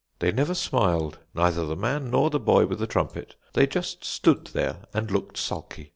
They never smiled, neither the man nor the boy with the trumpet; they just stood there and looked sulky.